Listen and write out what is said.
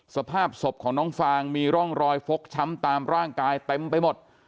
สภาพศพของน้องฟางมีร่องรอยฟกช้ำตามร่างกายเต็มไปหมด